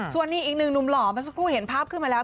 ส่วนนี้อีกหนึ่งหนุ่มหล่อเมื่อสักครู่เห็นภาพขึ้นมาแล้ว